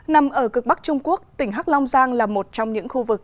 nằm ở cực bắc trung quốc tỉnh hắc long giang là một trong những khu vực